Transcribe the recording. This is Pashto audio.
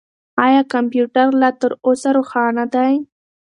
آیا کمپیوټر لا تر اوسه روښانه دی؟